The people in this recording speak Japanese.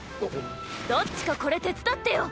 どっちかこれ手伝ってよ。